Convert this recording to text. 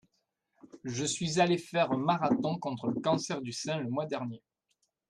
Je suis allé faire un marathon contre le cancer du sein le mois dernier.